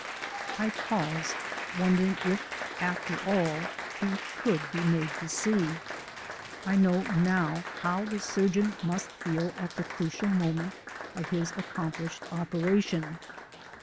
I paused, wondering if, after all, he could be made to see. I know now how the surgeon must feel at the crucial moment of his accomplished operation.